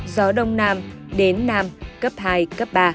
gió đông nam đến nam cấp hai cấp ba